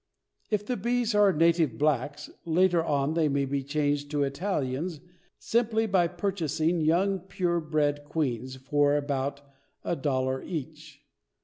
If the bees are native blacks, later on they may be changed to Italians simply by purchasing young pure bred queens for about a dollar each.